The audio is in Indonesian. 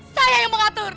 saya yang mengatur